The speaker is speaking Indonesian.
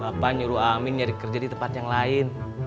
bapak nyuruh amin yakri kerja di tempat yang lain